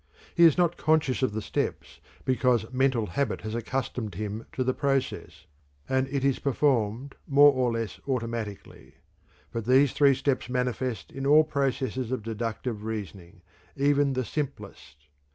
He is not conscious of the steps, because mental habit has accustomed him to the process, and it is performed more or less automatically. But these three steps manifest in all processes of deductive reasoning, even the simplest.